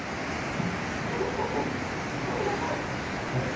和彦君ありがとう！えっ？